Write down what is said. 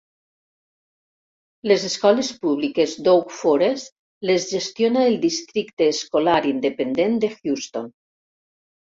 Les escoles públiques d'Oak Forest les gestiona el Districte Escolar Independent de Houston.